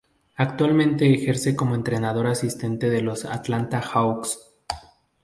Actualmente ejerce como entrenador asistente de los Atlanta Hawks.